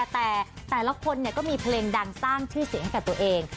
แต่แต่ละคนก็มีเพลงดังสร้างชื่อเสียงให้กับตัวเอง